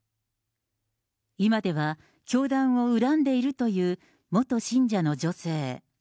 今では、教団を恨んでいるという元信者の女性。